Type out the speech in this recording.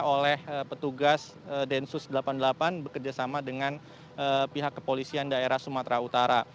oleh petugas densus delapan puluh delapan bekerjasama dengan pihak kepolisian daerah sumatera utara